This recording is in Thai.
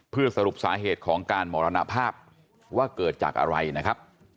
เพื่อสรุปสาเหตุของการมรณภาพว่าเกิดจากอะไรนะครับ